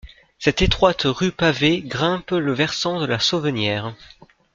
Cette étroite rue pavée grimpe le versant de la Sauvenière.